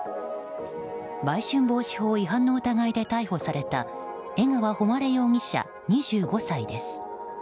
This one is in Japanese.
売春防止法違反の疑いで逮捕された江川誉容疑者、２５歳です。